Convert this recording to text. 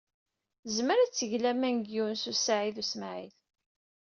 Tezmer ad teg laman deg Yunes u Saɛid u Smaɛil.